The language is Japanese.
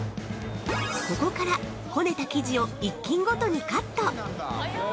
◆ここから、こねた生地を１斤ごとにカット！